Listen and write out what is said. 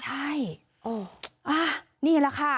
ใช่นี่แหละค่ะ